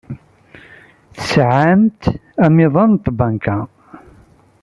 Tesɛamt amiḍan n tbanka?